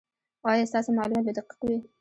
ایا ستاسو معلومات به دقیق وي؟